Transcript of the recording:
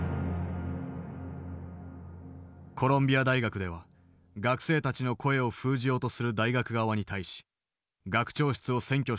コロンビア大学では学生たちの声を封じようとする大学側に対し学長室を占拠して抗議した。